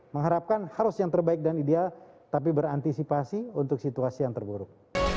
mengharapkan harus yang terbaik dan ideal tapi berantisipasi untuk situasi yang terburuk